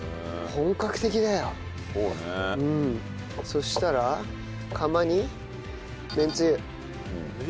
そしたら釜にめんつゆ。